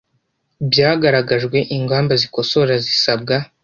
byagaragajwe ingamba zikosora zisabwa